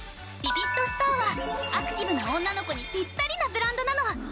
ビビッドスターはアクティブな女の子にピッタリなブランドなの！